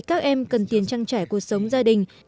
các em cần tiền trang trải cuộc sống gia đình